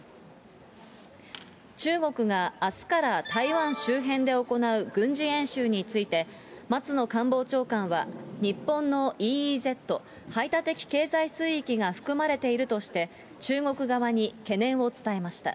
中国があすから台湾周辺で行う軍事演習について、松野官房長官は、日本のＥＥＺ・排他的経済水域が含まれているとして、中国側に懸念を伝えました。